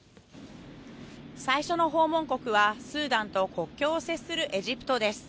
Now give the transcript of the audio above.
最初の訪問国はスーダンと国境を接するエジプトです。